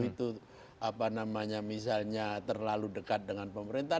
itu apa namanya misalnya terlalu dekat dengan pemerintah